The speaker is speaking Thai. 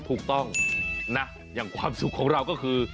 ถูกต้องนะอย่างความสุขของเราก็คือ